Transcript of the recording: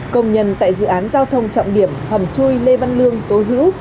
công nhân tại dự án giao thông trọng điểm hầm chui lê văn lương tố hữu